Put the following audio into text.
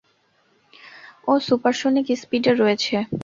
ও supersonic স্পিডে রয়েছে।